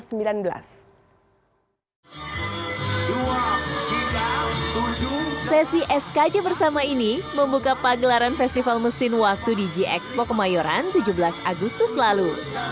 sesi skj bersama ini membuka pagelaran festival mesin waktu di g expo kemayoran tujuh belas agustus lalu